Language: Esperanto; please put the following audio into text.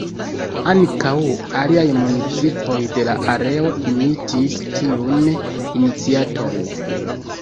Ankaŭ aliaj municipoj de la areo imitis tiun iniciaton.